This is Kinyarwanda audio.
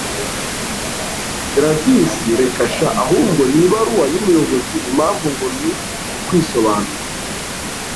gladys reka sha! ahubwo ni ibaruwa y'umuyobozi! impamvu ngo ni ukwisobanura